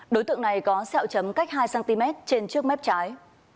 đối tượng này có xeo chấm cách hai cm trên trước mép trái